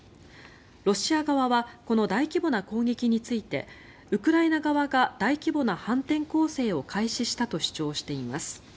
ロシア側はこの大規模な攻撃についてウクライナ側が大規模な反転攻勢を開始したと主張しています。